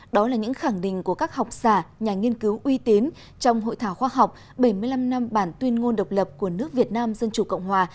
đó là những khẳng định của các học giả nhà nghiên cứu uy tín trong hội thảo khoa học bảy mươi năm năm bản tuyên ngôn độc lập của nước việt nam dân chủ cộng hòa